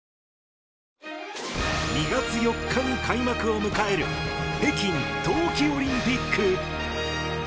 ２月４日に開幕を迎える北京冬季オリンピック！